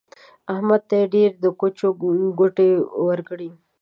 احمد ته يې ډېرې د ګوچو ګوتې ورکړې.